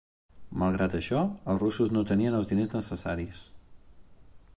Malgrat això, els russos no tenien els diners necessaris.